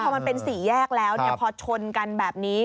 พอมันเป็นสี่แยกแล้วพอชนกันแบบนี้